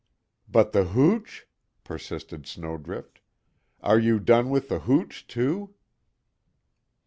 "But the hooch?" persisted Snowdrift. "Are you done with the hooch too?"